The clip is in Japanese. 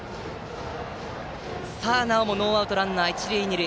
さあ、なおもノーアウトランナー、一塁二塁。